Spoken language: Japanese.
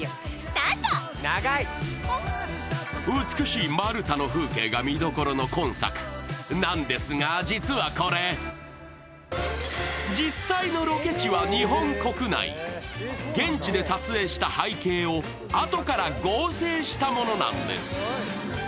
美しいマルタの風景が見どころの今作なんですが実はこれ、実際のロケ地は日本国内現地で撮影した背景をあとから合成したものなんです。